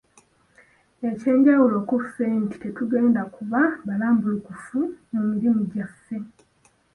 Ekyenjawulo ku ffe nti tugenda kuba balambulukufu mu mirimu gyaffe.